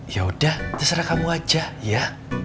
ya udah terserah kamu aja ya